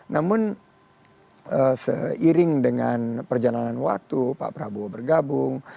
namun seiring dengan perjalanan waktu pak prabowo bergabung